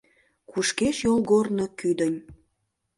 Кушкеш йолгорно кӱдынь